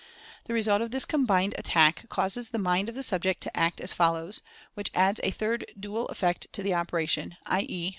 The result of this "combined attack" causes the mind of the subject to act as follows, which adds a third dual effect to the operation, i. e.